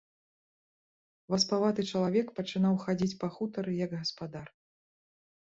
Васпаваты чалавек пачынаў хадзіць па хутары, як гаспадар.